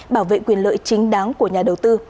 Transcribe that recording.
bảo vệ quyền lợi chính đáng của nhà đầu tư